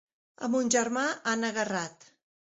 A mon germà han agarrat!